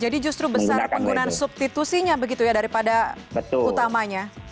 jadi justru besar penggunaan substitusinya begitu ya daripada utamanya